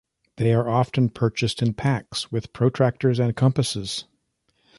They are often purchased in packs with protractors and compasses.